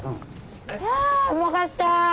いやうまかった！